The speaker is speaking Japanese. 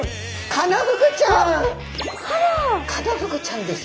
カナフグちゃんです。